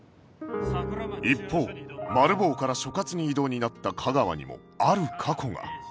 一方マル暴から所轄に異動になった架川にもある過去が